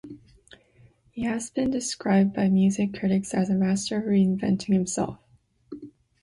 He has been described by music critics as a master of reinventing himself.